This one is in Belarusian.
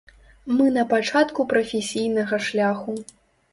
Мы на пачатку прафесійнага шляху.